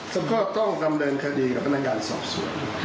ก็ต้องดำเนินคดีกับพนักงานสอบสวน